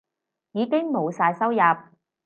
已經冇晒收入